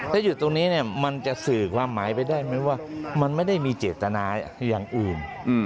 ถ้าอยู่ตรงนี้มันจะสื่อความหมายไปได้ไหมว่ามันไม่ได้มีเจตนาอย่างอื่น